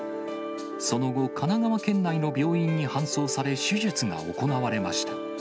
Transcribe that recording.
その後、神奈川県内の病院に搬送され、手術が行われました。